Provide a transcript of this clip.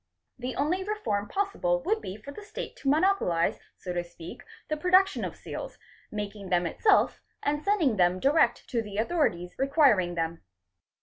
The only reform possible would be for the state to monopolise, so to — speak, the production of seals, making them itself and sending them direct to the authorities requiring them.